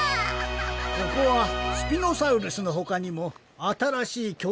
ここはスピノサウルスのほかにもあたらしいきょ